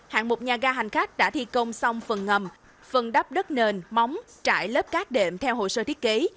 hạng mục nhà ga hành khách đã thi công xong phần ngầm phần đắp đất nền móng trải lớp cát đệm theo hồ sơ thiết kế